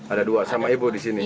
ada dua sama ibu disini